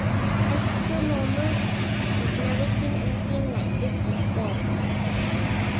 Astronomers have never seen anything like this before.